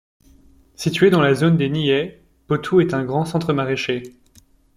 Situé dans la zone des Niayes, Potou est un grand centre maraîcher.